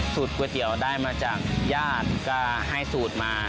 ก๋วยเตี๋ยวได้มาจากญาติก็ให้สูตรมา